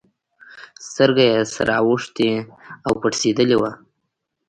سترگه يې سره اوښتې او پړسېدلې وه.